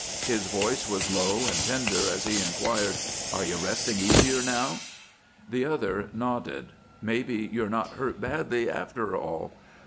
His voice was low and tender as he inquired, "Are you resting easier now?" The other nodded. "Maybe you're not hurt badly, after all.